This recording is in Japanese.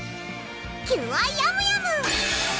キュアヤムヤム！